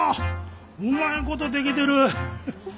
うまいこと出来てる。